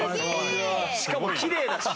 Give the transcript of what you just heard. しかもきれいだし。